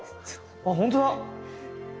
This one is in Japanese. あっ本当だ。